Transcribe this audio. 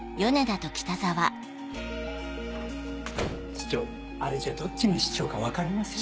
市長あれじゃどっちが市長か分かりませんよ。